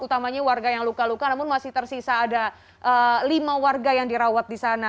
utamanya warga yang luka luka namun masih tersisa ada lima warga yang dirampas